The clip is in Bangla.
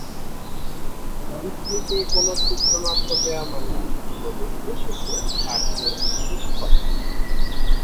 পিপলুকে কোনো চিত্রনাট্য দেওয়া মানে প্রজেক্ট শেষে তার চেয়ে বেশি পাওয়া।